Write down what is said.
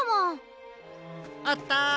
あった！